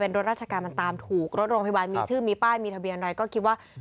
รถราชการมันตามถูกรถโรงพยาบาลมีชื่อมีป้ายมีทะเบียนอะไรก็คิดว่า